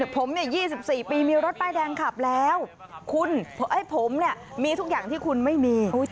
ผม๒๔ปีมีรถป้ายแดงขับแล้วผมมีทุกอย่างที่คุณไม่มี